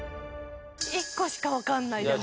１個しかわかんないでも。